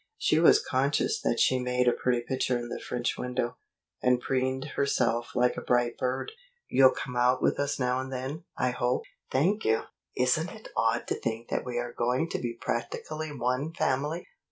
She was conscious that she made a pretty picture in the French window, and preened herself like a bright bird. "You'll come out with us now and then, I hope." "Thank you." "Isn't it odd to think that we are going to be practically one family!"